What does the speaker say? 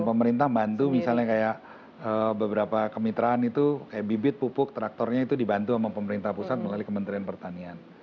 dan pemerintah bantu misalnya kayak beberapa kemitraan itu kayak bibit pupuk traktornya itu dibantu sama pemerintah pusat melalui kementerian pertanian